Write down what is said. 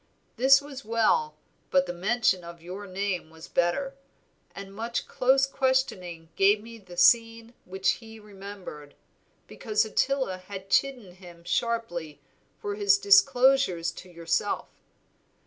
This was well, but the mention of your name was better, and much close questioning gave me the scene which he remembered, because Ottila had chidden him sharply for his disclosures to yourself.